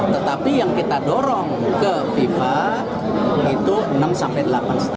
tetapi yang kita dorong ke fifa itu enam sampai delapan lima